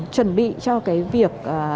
chuẩn bị cho cái việc